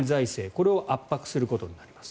これを圧迫することになります。